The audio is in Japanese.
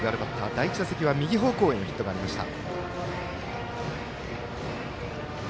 第１打席は右方向へのヒットがありました。